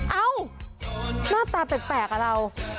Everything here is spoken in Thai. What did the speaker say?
เอ้าหน้าตาแปลกอ่ะเรา